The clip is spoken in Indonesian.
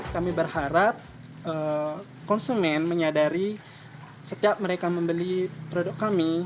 kami berharap konsumen menyadari setiap mereka membeli produk kami